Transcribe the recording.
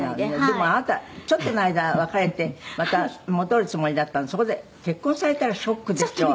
でもあなたちょっとの間別れてまた戻るつもりだったのにそこで結婚されたらショックでしょう」